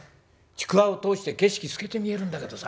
ちくわを通して景色透けて見えるんだけどさ。